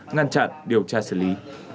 ngăn chặn điều tra xử lý